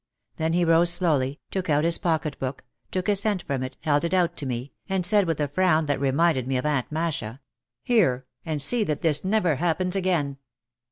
Then he rose slowly, took out his pocket book, took a cent from it, held it out to me, and said with a frown that reminded me of Aunt Masha, "Here, and see that this never happens again."